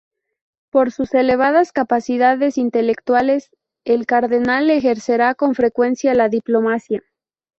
Por sus elevadas capacidades intelectuales, el cardenal ejercerá con frecuencia la diplomacia.